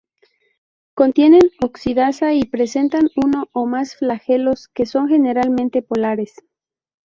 Contienen oxidasa y presentan uno o más flagelos, que son generalmente polares.